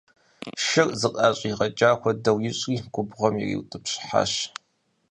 Шыр зыӀэщӀигъэкӀа хуэдэу ищӀри губгъуэм ириутӀыпщхьащ.